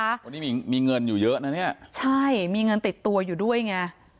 วันนี้มีมีเงินอยู่เยอะนะเนี่ยใช่มีเงินติดตัวอยู่ด้วยไง